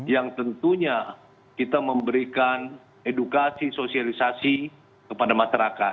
yang tentunya kita memberikan edukasi sosialisasi kepada masyarakat